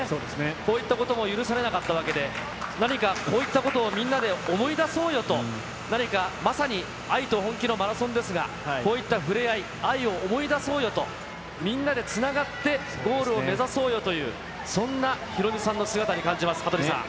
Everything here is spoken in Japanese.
こう行ったことも許されなかったわけで、何かこういったことをみんなで思い出そうよと、何か、まさに愛と本気のマラソンですが、こういった触れ合い、愛を思い出そうよと、みんなでつながって、ゴールを目指そうよという、そんなヒロミさんの姿に感じます、羽鳥さん。